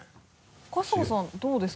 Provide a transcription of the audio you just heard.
春日さんどうですか？